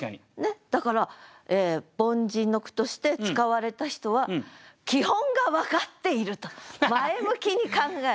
だから凡人の句として使われた人は基本が分かっていると前向きに考える。